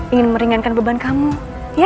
ingin meringankan beban kamu ya